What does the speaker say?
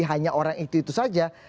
hanya orang itu saja